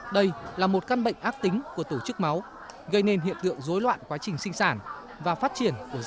đây là một căn bệnh ác tính của tổ chức máu gây nên hiện tượng dối loạn quá trình sinh sản và phát triển của gia đình